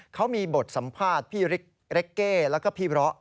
เขามีบทสัมภาษณ์พี่เล็กเก้แล้วก็พี่เลาะ